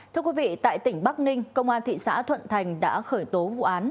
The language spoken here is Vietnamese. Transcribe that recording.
thưa quý vị tại tỉnh bắc ninh công an thị xã thuận thành đã khởi tố vụ án